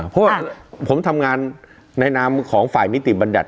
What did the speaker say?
เพราะผมทำงานในนำของฝ่ายมิติบัญดาส